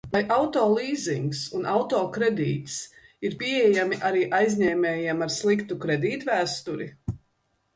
Vai auto līzings un auto kredīts ir pieejami arī aizņēmējiem ar sliktu kredītvēsturi?